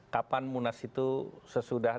kapan munas itu sesudah